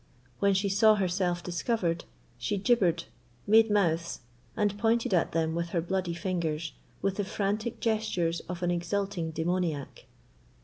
When she saw herself discovered, she gibbered, made mouths, and pointed at them with her bloody fingers, with the frantic gestures of an exulting demoniac.